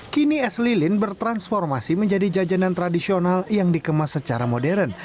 kini es lilin bertransformasi menjadi jajanan tradisional yang dikemas secara modern